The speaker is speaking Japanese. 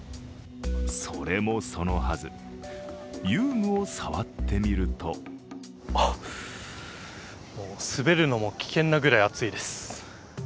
それもそのはず、遊具を触ってみるとあっ、滑るのも危険なくらい熱いです。